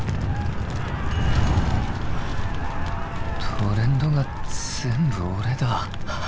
トレンドが全部俺だ。